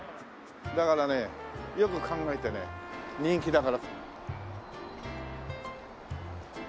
だからねよく考えてね人気だから。